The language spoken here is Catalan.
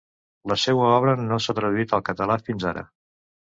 La seua obra no s'ha traduït al català fins ara.